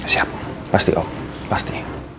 siap pasti om pasti